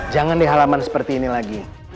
jangan di halaman seperti ini lagi